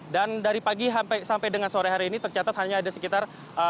dan dari pagi sampai dengan sore hari ini tercatat hanya ada sekitar enam